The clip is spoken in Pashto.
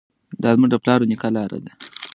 دا زموږ د پلار او نیکه لاره ده.